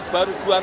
baru dua tahun